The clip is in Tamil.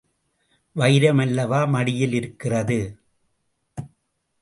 வைரமல்லவா மடியில் இருக்கிறது!